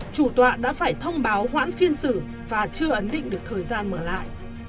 chủ tọa đã phải thông báo hoãn phiên xử và chưa ấn định được thời gian mở lại